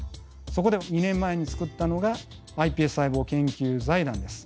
そこで２年前に作ったのがｉＰＳ細胞研究財団です。